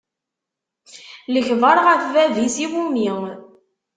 Lekber ɣef bab-is, iwumi?